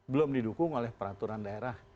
belum didukung oleh peraturan daerah